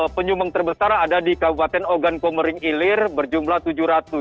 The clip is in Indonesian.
penyumbang terbesar ada di kabupaten ogan komering ilir berjumlah tujuh ratus